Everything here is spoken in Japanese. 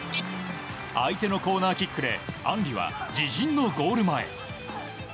相手のコーナーキックでアンリは自陣のゴール前。